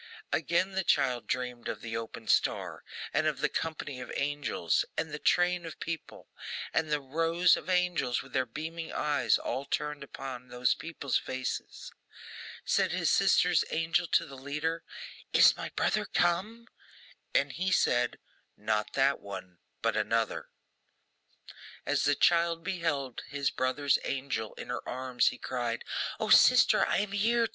Again the child dreamed of the open star, and of the company of angels, and the train of people, and the rows of angels with their beaming eyes all turned upon those people's faces. Said his sister's angel to the leader: 'Is my brother come?' And he said, 'Not that one, but another.' As the child beheld his brother's angel in her arms, he cried, 'O, sister, I am here!